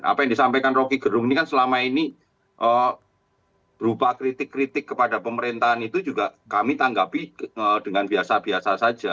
apa yang disampaikan roky gerung ini kan selama ini berupa kritik kritik kepada pemerintahan itu juga kami tanggapi dengan biasa biasa saja